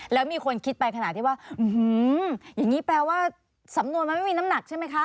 แล้วมีคนคิดไปขนาดที่ว่าอย่างนี้แปลว่าสำนวนมันไม่มีน้ำหนักใช่ไหมคะ